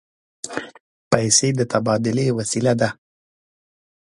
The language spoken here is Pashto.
پیسې د تبادلې وسیله ده.